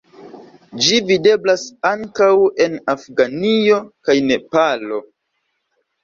Ĝi videblas ankaŭ en Afganio kaj Nepalo.